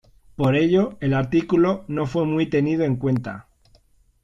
Por ello, el artículo no fue muy tenido en cuenta.